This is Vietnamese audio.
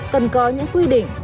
cần có những quy định